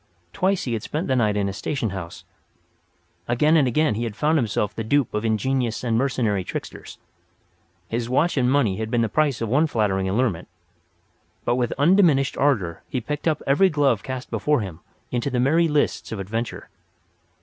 Twice he had spent the night in a station house; again and again he had found himself the dupe of ingenious and mercenary tricksters; his watch and money had been the price of one flattering allurement. But with undiminished ardour he picked up every glove cast before him into the merry lists of adventure.